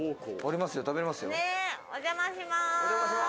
お邪魔します！